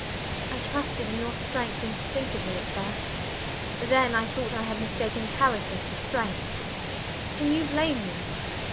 I trusted in your strength instinctively at first; then I thought I had mistaken callousness for strength. Can you blame me?